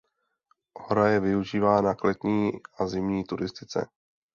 Hora je využívána k letní a zimní turistice.